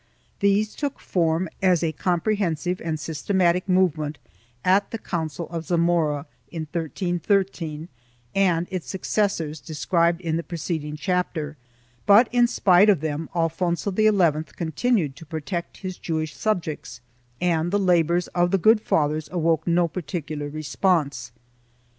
These took form, as a comprehensive and systematic movement at the Council of Zamora, in 1313, and its successors, described in the preceding chapter, but in spite of them Alfonso XI continued to protect his Jewish subjects and the labors of the good fathers awoke no popular response.